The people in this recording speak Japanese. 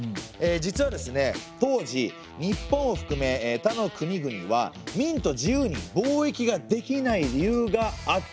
実はですね当時日本をふくめ他の国々は明と自由に貿易ができない理由があったんですね。